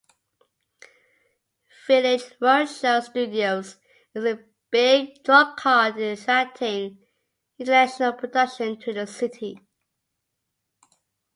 Village Roadshow Studios is a big drawcard in attracting international production to the city.